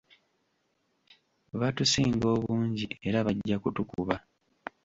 Batusinga obungi era bajja kutukuba.